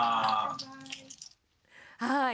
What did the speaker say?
はい。